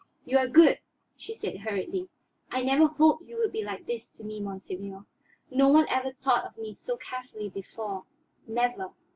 "You are good," she said hurriedly. "I never hoped you would be like this to me, monseigneur. No one ever thought of me so carefully before, never.